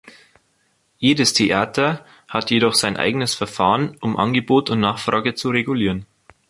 Jedes Theater hat jedoch sein eigenes Verfahren, um Angebot und Nachfrage zu regulieren.